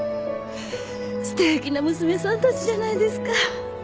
すてきな娘さんたちじゃないですか。